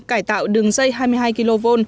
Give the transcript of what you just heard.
cải tạo đường dây hai mươi hai kv